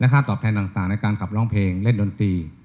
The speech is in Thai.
ค่าตอบแทนต่างในการขับร้องเพลงเล่นดนตรี